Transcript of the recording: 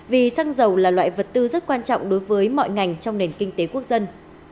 vì xăng dầu là loại vật tư rất quan trọng đối với mọi ngành trong nền kinh tế quốc dân